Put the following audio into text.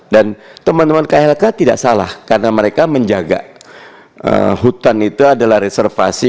dan teman teman klhk tidak salah karena mereka menjaga hutan itu adalah reservasi